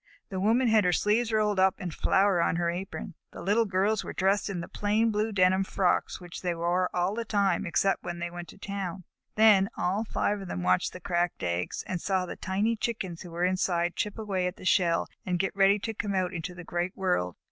The Woman had her sleeves rolled up and flour on her apron. The Little Girls were dressed in the plain blue denim frocks which they wore all the time, except when they went to town. Then all five of them watched the cracked eggs, and saw the tiny Chickens who were inside chip away the shell and get ready to come out into the great world.